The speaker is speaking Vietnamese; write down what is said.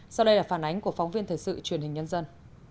sau đây là phản ánh của phóng viên thời sự truyền hình nhân dân